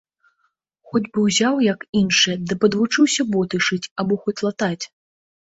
Хоць бы ўзяў, як іншыя, ды падвучыўся боты шыць або хоць латаць.